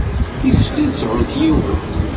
Yessefk ad sɛunt yiwen.